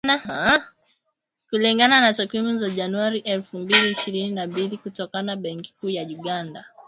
Kulingana na takwimu za Januari elfu mbili ishirini na mbili kutoka Benki Kuu ya Uganda,,